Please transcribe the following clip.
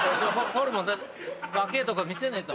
ホルモン出して若ぇとこ見せねえと。